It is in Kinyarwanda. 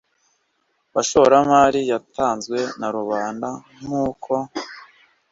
bashoramari yatanzwe na rubanda nk uko